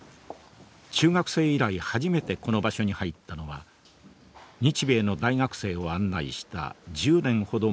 中学生以来初めてこの場所に入ったのは日米の大学生を案内した１０年ほど前の事でした。